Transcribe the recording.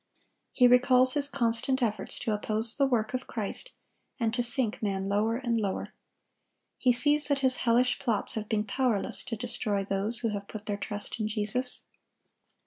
He recalls his constant efforts to oppose the work of Christ and to sink man lower and lower. He sees that his hellish plots have been powerless to destroy those who have put their trust in Jesus.